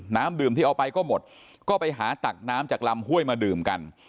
น้ำดื่มที่เอาไปก็หมดก็ไปหาตักน้ำจากลำห้วยมาดื่มกัน